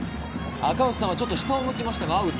赤星さんは、ちょっと下を向きましたがアウト。